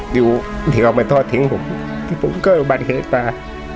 อยู่ที่เขามาทอดทิ้งผมผมก็บัดเค้กตา